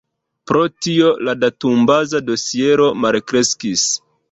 Pro tio la datumbaza dosiero malkreskis.